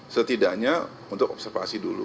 setidaknya untuk observasi dulu gitu loh